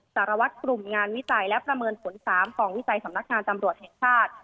สารวัตรกลุ่มงานวิจัยและประเมินผล๓ของวิจัยสำนักงานตำรวจแห่งชาติ